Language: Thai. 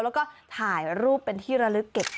แล้วก็ถ่ายรูปเป็นที่ระลึกเก็บ